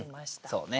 そうね。